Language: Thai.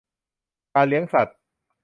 การเลี้ยงสัตว์